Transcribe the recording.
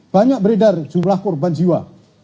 banyak beredar jumlah korban jiwa